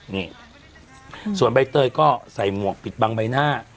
นี่ส่วนใบเตยก็ใส่หมวกปิดบังใบหน้า